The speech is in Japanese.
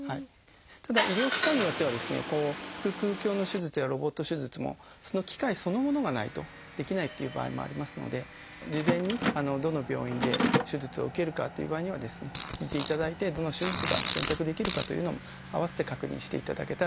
ただ医療機関によってはですね腹腔鏡の手術やロボット手術もその機械そのものがないとできないっていう場合もありますので事前にどの病院で手術を受けるかという場合にはですね聞いていただいてどの手術が選択できるかというのも併せて確認していただけたらいいかなと思います。